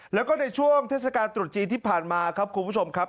แล้วก็ในช่วงเทศกาลตรุษจีนที่ผ่านมาครับคุณผู้ชมครับ